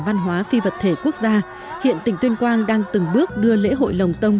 văn hóa phi vật thể quốc gia hiện tỉnh tuyên quang đang từng bước đưa lễ hội lồng tông